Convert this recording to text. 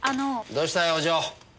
どうしたお嬢？